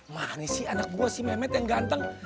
mana sih anak gue sih mehmet yang ganteng